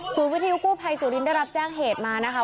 วิทยุกู้ภัยสุรินทได้รับแจ้งเหตุมานะคะ